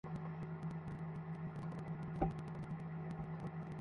এতে বিভিন্ন রাজ্যের সংখ্যালঘু নৃগোষ্ঠীগুলোর আনুপাতিক প্রতিনিধিত্ব নিশ্চিত করার কথা বলা হয়েছে।